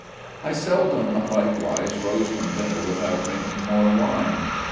I seldom likewise rose from dinner without drinking more wine.